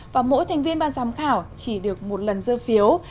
và mỗi thành viên ban giám khảo chỉ được một lần dơ phiếu